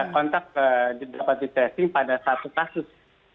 kontak dapat di tracing pada satu kasus